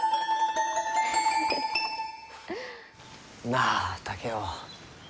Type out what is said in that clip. なあ竹雄。